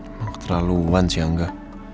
emang keterlaluan sih angga